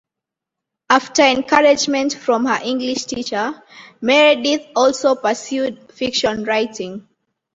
After encouragement from her English teacher, Meredyth also pursued fiction writing.